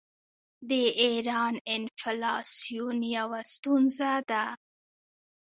د ایران انفلاسیون یوه ستونزه ده.